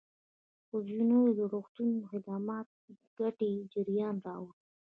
ښوونځيو روغتونونو خدمات ګټې جريان راوړي.